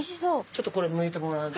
ちょっとこれむいてもらえる？